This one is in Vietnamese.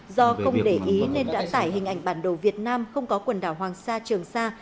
do không để ý nên đã tải hình ảnh bản đồ việt nam không có quần đảo hoàng sa trường sa